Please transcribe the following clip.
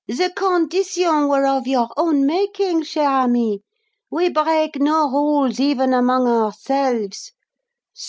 "The conditions were of your own making, cher ami; we break no rules even among ourselves."